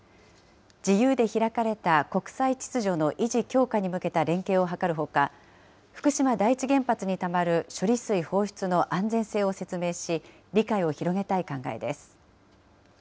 自由で開かれた国際秩序の維持・強化に向けた連携を図るほか、福島第一原発にたまる処理水放出の安全性を説明し、理解を広げたい考えです。